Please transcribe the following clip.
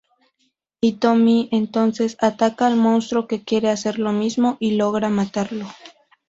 Hitomi entonces, ataca al monstruo que quiere hacer lo mismo y logra matarlo.